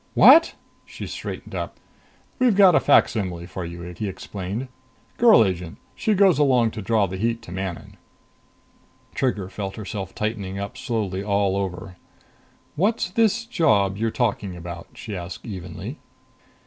"What!" She straightened up. "We've got a facsimile for you," he explained. "Girl agent. She goes along to draw the heat to Manon." Trigger felt herself tightening up slowly all over. "What's this job you're talking about?" she asked evenly.